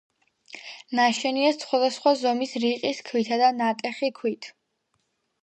ნაშენია სხვადასხვა ზომის რიყის ქვითა და ნატეხი ქვით.